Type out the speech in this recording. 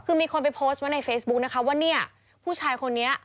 คือมีคนไปโพสต์ไว้ในเฟซบุ๊กนะคะว่าเนี่ยผู้ชายคนนี้